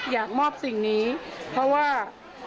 อยากมอบสิ่งนี้เพราะว่า